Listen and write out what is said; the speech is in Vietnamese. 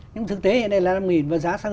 nhưng thực tế hiện nay là năm nghìn và giá sang